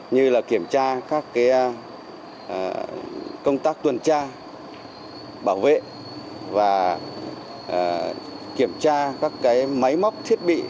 như kiểm tra các công tác tuần tra bảo vệ và kiểm tra các máy móc thiết bị